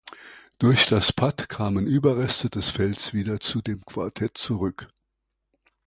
Durch das Patt kamen Überreste des Felds wieder zu dem Quartett zurück.